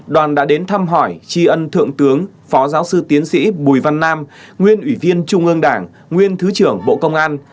đoàn đã đến thăm hỏi tri ân thượng tướng phó giáo sư tiến sĩ bùi văn nam nguyên ủy viên trung ương đảng nguyên thứ trưởng bộ công an